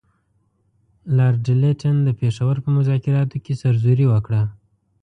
لارډ لیټن د پېښور په مذاکراتو کې سرزوري وکړه.